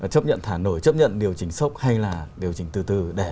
chấp nhận thả nổi chấp nhận điều chỉnh sốc hay là điều chỉnh từ từ